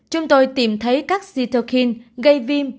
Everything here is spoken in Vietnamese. chúng tôi tìm thấy các cytokine gây viêm